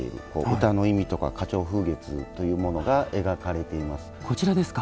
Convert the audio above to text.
歌の意味とか花鳥風月というものが描かれています。